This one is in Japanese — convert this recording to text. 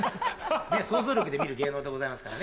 想像力で見る芸能でございますからね。